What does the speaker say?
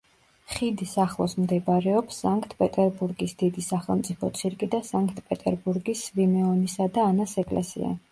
ხიდის ახლოს მდებარეობს სანქტ-პეტერბურგის დიდი სახელმწიფო ცირკი და სანქტ-პეტერბურგის სვიმეონისა და ანას ეკლესია.